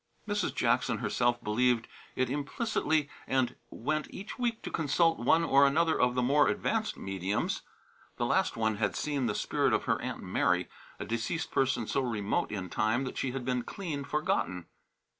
Mrs. Jackson herself believed it implicitly and went each week to consult one or another of the more advanced mediums. The last one had seen the spirit of her Aunt Mary, a deceased person so remote in time that she had been clean forgotten.